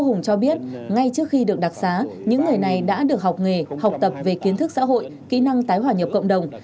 ông hùng cho biết ngay trước khi được đặc xá những người này đã được học nghề học tập về kiến thức xã hội kỹ năng tái hòa nhập cộng đồng